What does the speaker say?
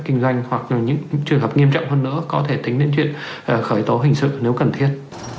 kinh doanh hoặc là những trường hợp nghiêm trọng hơn nữa có thể tính đến chuyện khởi tố hình sự nếu cần thiết